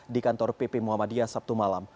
di kantor pp muhammadiyah sabtu malam